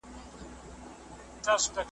چي تر خوله یې د تلک خوږې دانې سوې ,